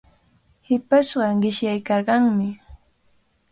Hipashqa qishyaykarqanmi.